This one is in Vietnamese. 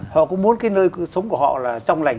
họ cũng muốn nơi sống của họ là trong lành